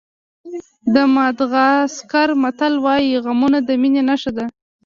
د ماداغاسکر متل وایي غمونه د مینې نښه ده.